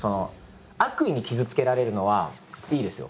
悪意に傷つけられるのはいいですよ。